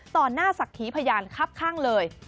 ต่อหน้าสักทีพยานคับข้างเลย